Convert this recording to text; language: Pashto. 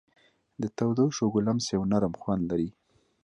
د تودو شګو لمس یو نرم خوند لري.